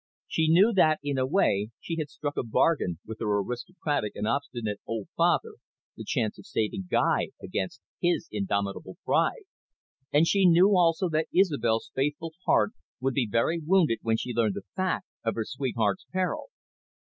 She knew that, in a way, she had struck a bargain with her aristocratic and obstinate old father, the chance of saving Guy against his indomitable pride. And she knew also that Isobel's faithful heart would be very wounded when she learned the fact of her sweetheart's peril.